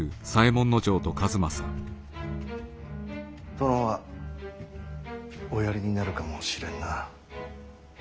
殿はおやりになるかもしれんな。